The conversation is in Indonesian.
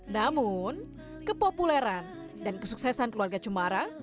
namun kepopuleran dan kesuksesan keluarga cumara